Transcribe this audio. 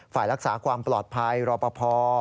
ฝ่ายรักษาความปลอดภัยรอปภ